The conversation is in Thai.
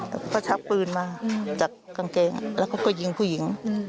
แล้วก็ชักปืนมาจากกางเกงแล้วเขาก็ยิงผู้หญิง